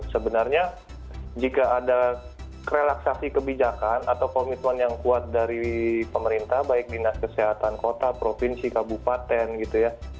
sebenarnya jika ada relaksasi kebijakan atau komitmen yang kuat dari pemerintah baik dinas kesehatan kota provinsi kabupaten gitu ya